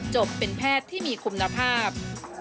จบเป็นแพทย์ที่มีคุณภาพ